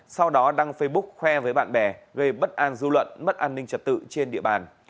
sau đó đăng facebook khoe với bạn bè gây bất an dư luận mất an ninh trật tự trên địa bàn